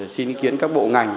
xin ý kiến các bộ ngành